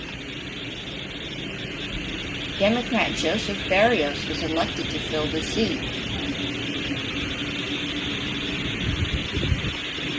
Democrat Joseph Berrios was elected to fill the seat.